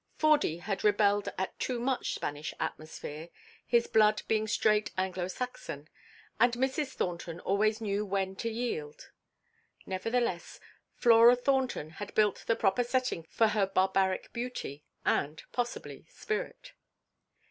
Fordy had rebelled at too much "Spanish atmosphere," his blood being straight Anglo Saxon, and Mrs. Thornton always knew when to yield. Nevertheless, Flora Thornton had built the proper setting for her barbaric beauty, and, possibly, spirit.